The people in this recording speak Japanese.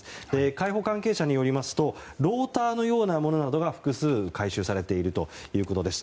海保関係者によりますとローターのようなものなどが複数回収されているということです。